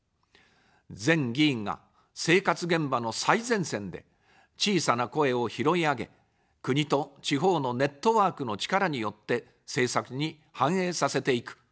全議員が、生活現場の最前線で小さな声を拾い上げ、国と地方のネットワークの力によって政策に反映させていく。